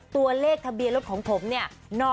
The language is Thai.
ตัวเลขทะเบียนรถของผมเนี่ย